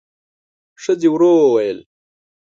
ښځې ورو وويل: